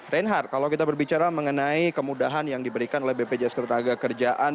reinhardt kalau kita berbicara mengenai kemudahan yang diberikan oleh bpjs ketenaga kerjaan